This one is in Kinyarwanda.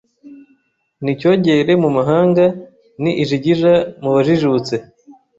Ni icyogere mu mahanga Ni ijigija mu bajijutse